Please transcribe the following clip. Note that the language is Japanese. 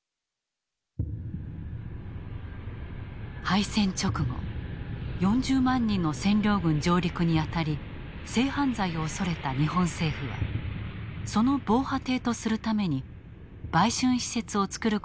敗戦直後４０万人の占領軍上陸にあたり性犯罪を恐れた日本政府はその防波堤とするために売春施設を作る事を決定した。